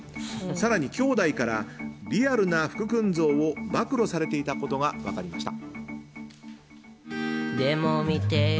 更にきょうだいからリアルは福君像を暴露されていたことが分かりました。